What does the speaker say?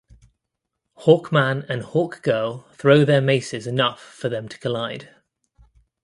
Hawkman and Hawkgirl throw their maces enough for them to collide.